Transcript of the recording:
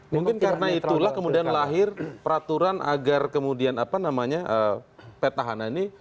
mungkin karena itulah kemudian lahir peraturan agar kemudian apa namanya petahana ini